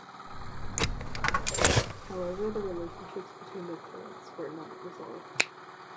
However, the relationships between the clades were not resolved.